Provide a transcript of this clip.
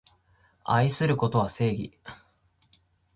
愛することは正義